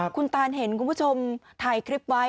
คุณตานเห็นคุณผู้ชมถ่ายคลิปไว้